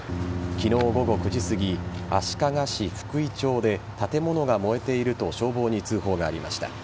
昨日午後９時すぎ足利市福居町で建物が燃えていると消防に通報がありました。